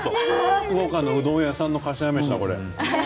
福岡のおうどん屋さんのかしわ飯だ、これ。